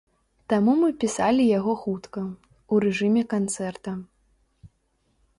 Таму мы пісалі яго хутка, у рэжыме канцэрта.